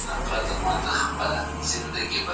کېدای سي ږغ کم وي!!